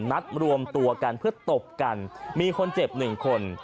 นัดรวมตัวกันเพื่อตบกันมีคนเจ็บหนึ่งคน